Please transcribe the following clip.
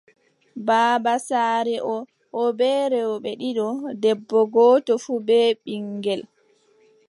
Baaba saare oo, o bee rewɓe ɗiɗo, debbo gooto fuu bee ɓiŋngel.